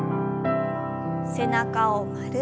背中を丸く。